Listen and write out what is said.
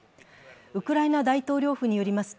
ウクライナ大統領府によります